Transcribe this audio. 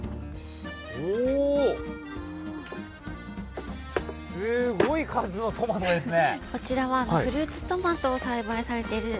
おー、すごい数のトマトですね。